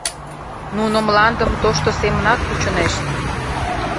Нуно мландым тошто семынак кучынешт.